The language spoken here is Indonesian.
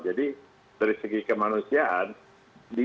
jadi dari segi kemanusiaan itu adalah hal yang sangat penting